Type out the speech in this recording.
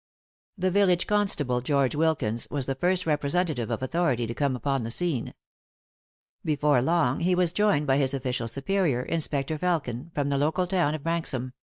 The village constable, George Wilkins, was the first representative of authority to come upon the scene. Before long he was joined by his official superior, Inspector Felkin, from the local town of Branxham.